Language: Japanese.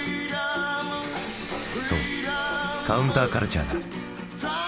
そうカウンターカルチャーだ。